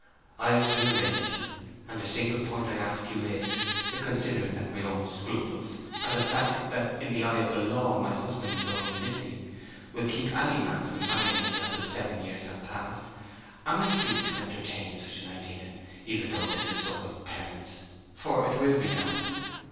I've been a rake, and the single point I ask you is, considering that my own scruples, and the fact that in the eye of the law my husband is only missing, will keep any man from marrying me until seven years have passed—am I free to entertain such an idea, even though 'tis a sort of penance—for it will be that?